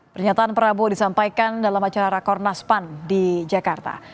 pernyataan prabowo disampaikan dalam acara rakornas pan di jakarta